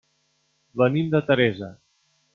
Venim de Teresa.